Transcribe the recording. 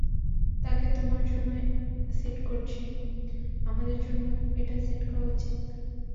তাকে তোমার জন্য সেট করছি, আমাদের জন্য এটা সেট করা উচিত?